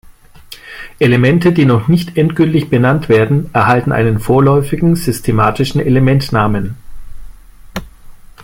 Elemente, die noch nicht endgültig benannt werden, erhalten einen vorläufigen systematischen Elementnamen.